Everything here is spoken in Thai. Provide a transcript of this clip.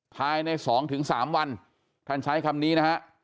ภายในสองถึงสามวันท่านใช้คำนี้นะฮะ